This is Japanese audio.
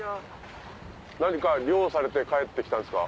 何か漁されて帰ってきたんですか？